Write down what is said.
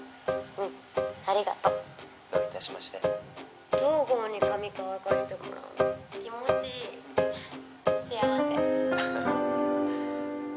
うんありがとうどういたしまして東郷に髪乾かしてもらうの気持ちいい幸せハハ